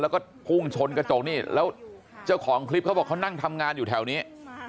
แล้วก็พุ่งชนกระจกนี่แล้วเจ้าของคลิปเขาบอกเขานั่งทำงานอยู่แถวนี้